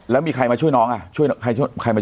แล้วมีใครมาช่วยน้องต้า